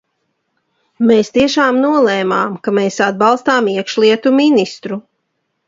Mēs tiešām nolēmām, ka mēs atbalstām iekšlietu ministru.